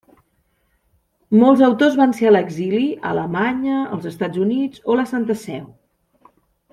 Molts autors van ser a l'exili —a Alemanya, els Estats Units o la Santa Seu.